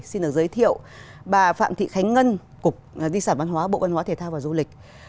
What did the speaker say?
xin được giới thiệu bà phạm thị khánh ngân cục di sản văn hóa bộ văn hóa thể thao và du lịch